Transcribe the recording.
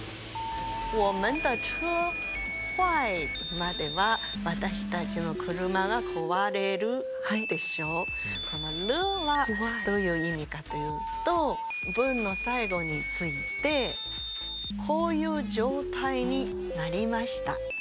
までは私たちの車が壊れるでしょうこの了はどういう意味かというと文の最後についてこういう状態になりました。